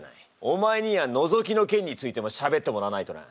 お前にはのぞきのけんについてもしゃべってもらわないとな。